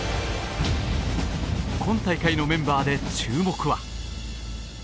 今大会のメンバーで注目は。